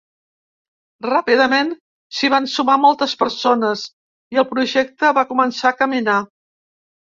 Ràpidament s’hi van sumar moltes persones i el projecte va començar a caminar.